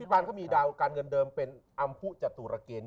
บานก็มีดาวการเงินเดิมเป็นอำพุจตุรเกณฑ์